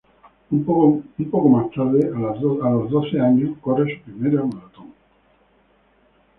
Un poco más tarde, a los doce años, corre su primera maratón.